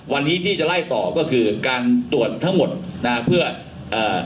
วันนี้ที่จะไล่ต่อก็คือการตรวจทั้งหมดนะฮะเพื่อเอ่อ